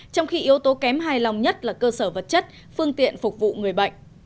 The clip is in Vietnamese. trong khi yếu tố kém hài lòng nhất là cơ sở vật chất phương tiện phục vụ người bệnh